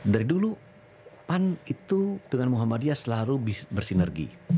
dari dulu pan itu dengan muhammadiyah selalu bersinergi